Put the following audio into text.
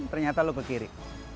ternyata lo ke kiri